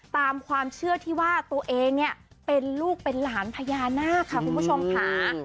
ตามความเชื่อที่ว่าตัวเองเนี่ยเป็นลูกเป็นหลานพญานาคค่ะคุณผู้ชมค่ะ